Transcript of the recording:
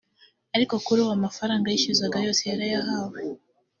Ariko kuri ubu amafaranga yishyuzaga yose yarayahawe